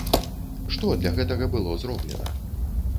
Што для гэтага было зроблена?